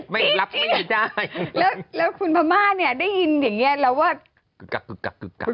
ไม่รับไม่ได้แล้วแล้วคุณพม่าเนี่ยได้ยินอย่างเงี้ยเราว่ากุกกกกุกกคุณกักน่ะ